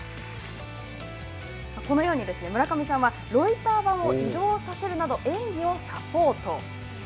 このように村上さんはロイター板を移動させるなど演技をサポート。